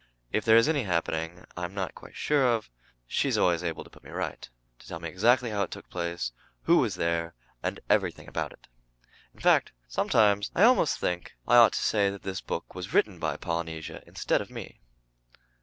If there is any happening I am not quite sure of, she is always able to put me right, to tell me exactly how it took place, who was there and everything about it. In fact sometimes I almost think I ought to say that this book was written by Polynesia instead of me.